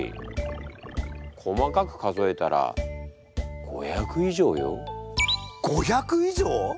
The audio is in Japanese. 細かく数えたら５００以上よ。５００以上！？